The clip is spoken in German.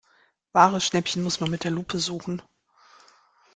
Wahre Schnäppchen muss man mit der Lupe suchen.